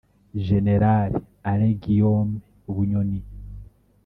General Alain Guillame Bunyoni